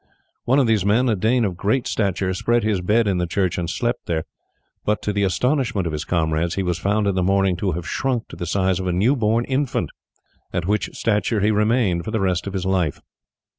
One of these men, a Dane of great stature, spread his bed in the church and slept there; but to the astonishment of his comrades he was found in the morning to have shrunk to the size of a new born infant, at which stature he remained for the rest of his life.